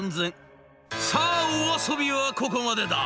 「さあお遊びはここまでだ。